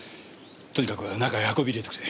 とにかく中へ運び入れてくれ。